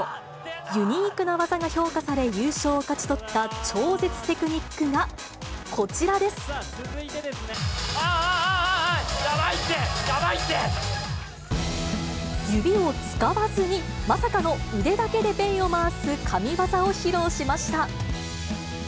ユニークな技が評価され、優勝を勝ち取った超絶テクニックがこちあー、あー、あー、やばいっ指を使わずに、まさかの腕だけでペンを回す神業を披露しました。